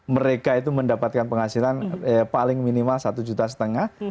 mereka itu mendapatkan penghasilan paling minimal satu juta setengah